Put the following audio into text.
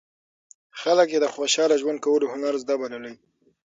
خلک یې د خوشاله ژوند کولو هنر زده بللی.